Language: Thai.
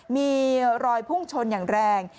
มีรอยพุ่งชนอย่างแรง